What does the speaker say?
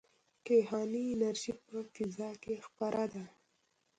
کیهاني انرژي په فضا کې خپره ده.